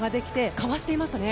かわしていましたね。